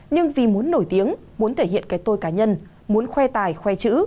nhưng vì muốn nổi tiếng muốn thể hiện các tội cá nhân muốn khoe tài khoe chữ